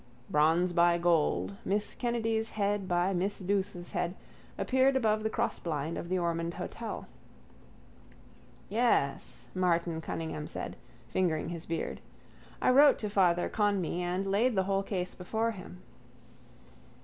Bronze by gold, Miss Kennedy's head by Miss Douce's head, appeared above the crossblind of the Ormond hotel. —Yes, Martin Cunningham said, fingering his beard. I wrote to Father Conmee and laid the whole case before him.